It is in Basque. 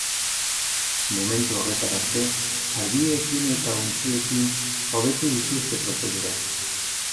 Momentu horretararte, ardiekin eta untxiekin hobetu dituzte prozedurak.